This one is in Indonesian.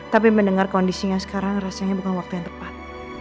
tapi mendengar kondisinya sekarang rasanya bukan waktu yang tepat